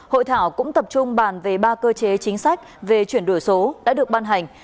hội thảo cũng tập trung bàn về ba cơ chế chính sách về chuyển đổi số đã được ban hành